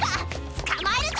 つかまえるぞ！